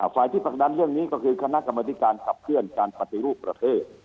ฝ่ายที่ผลักดันเรื่องนี้ก็คือคณะกรรมธิการขับเคลื่อนการปฏิรูปประเทศ